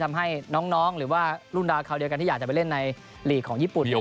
ทำให้น้องหรือว่ารุ่นดาวคราวเดียวกันที่อยากจะไปเล่นในหลีกของญี่ปุ่นเนี่ย